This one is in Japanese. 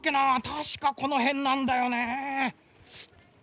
たしかこのへんなんだよね。